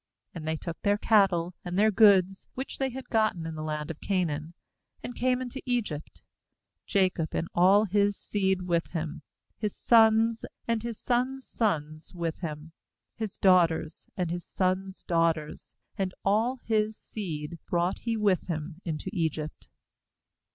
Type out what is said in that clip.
6And they took their cattle, and their goods, which they had gotten in the land of Canaan, and came into Egypt, Jacob, and all his seed with him; 7his sons, and his sons' sons with him, his daugh ters, and his sons' daughters, and all his seed brought he with him into Egypt.